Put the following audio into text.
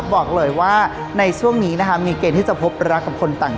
บอกเลยว่าในช่วงนี้นะคะมีเกณฑ์ที่จะพบรักกับคนต่าง